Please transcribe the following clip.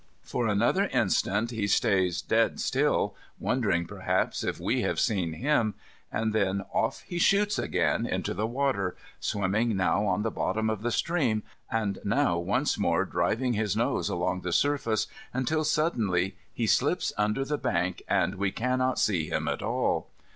For another instant he stays dead still, wondering perhaps if we have seen him, and then off he shoots again into the water, swimming now on the bottom of the stream and now once more driving his nose along the surface until suddenly he slips under the bank and we cannot see him at all.